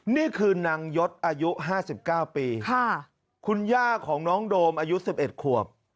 นี่คือนางยศอายุ๕๙ปีคุณย่าของน้องโดมอายุ๑๑ขวบ